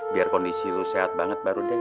biar kondisi lu sehat banget baru deh